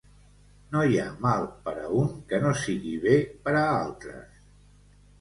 No hi ha mal per a un que no sigui bé per a altres.